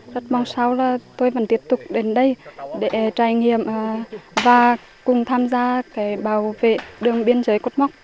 rất mong sao là tôi vẫn tiếp tục đến đây để trải nghiệm và cùng tham gia bảo vệ đường biên giới cột mốc